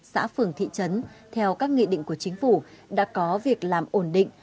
xã phường thị trấn theo các nghị định của chính phủ đã có việc làm ổn định